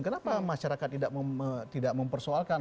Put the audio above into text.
kenapa masyarakat tidak mempersoalkan